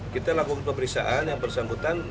kita lakukan pemeriksaan yang bersangkutan